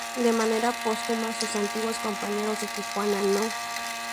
De manera póstuma, sus antiguos compañeros de Tijuana No!